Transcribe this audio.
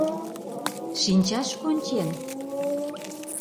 Шинчаш кончен?